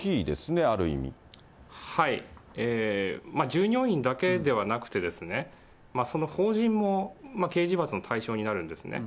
従業員だけではなくて、その法人も刑事罰の対象になるんですね。